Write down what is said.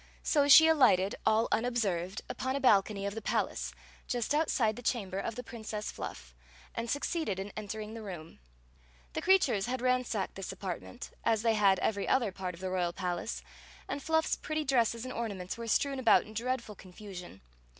So she alighted, all unobserved, upon a balcony of ti. ; .ilace, just outside the cham ber of the Princess Fluff, and succeeded in entering the room. The cro^res had ransacked this apartment, as they had every other pwtft o{ the royal palace, and Fluffs pretty dresses and ornaments were strewn about in dreadful confusion.